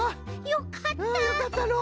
よかったの。